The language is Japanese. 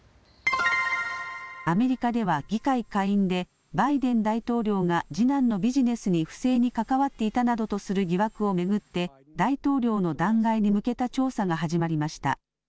アメリカでは議会下院でバイデン大統領が次男のビジネスに不正に関わっていたなどとする疑惑を巡って大統領の弾劾に向けた調査が始まりました。